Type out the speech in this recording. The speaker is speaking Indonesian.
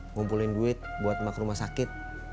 ngumpulin duit buat emak rumah sakit